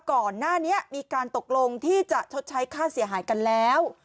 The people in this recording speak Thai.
ก่อนหน้านี้มีการตกลงที่จะชดใช้ค่าเสียหายกันแล้ว